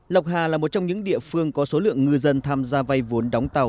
lộc hà là một trong những địa phương có số lượng ngư dân tham gia vay vốn đóng tàu